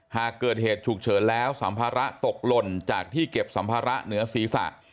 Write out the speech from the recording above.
หากเกิดเหตุฉุกเฉินแล้วสัมภาระตกหล่นจากที่เก็บสัมภาระเหนือศีรษะ